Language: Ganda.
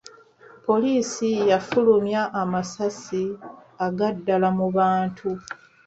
Poliisi yafulmya amasasi aga ddala mu bantu.